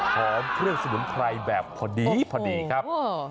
หอมเครื่องสมุนไพรแบบพอดีครับ